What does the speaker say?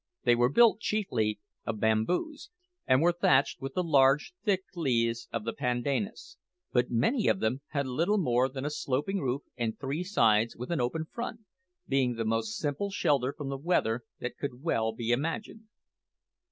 They were built chiefly of bamboos, and were thatched with the large, thick leaves of the pandanus; but many of them had little more than a sloping roof and three sides with an open front, being the most simple shelter from the weather that could well be imagined.